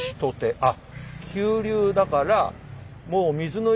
あっ！